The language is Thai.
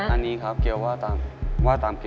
อันนี้ครับว่าตาม